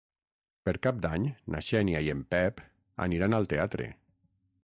Per Cap d'Any na Xènia i en Pep aniran al teatre.